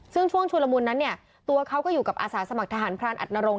ซึ่งช่วงชุลมุนนั้นเนี่ยตัวเขาก็อยู่กับอาสาสมัครทหารพรานอัดนรงค